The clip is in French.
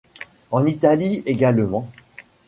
En Italie également.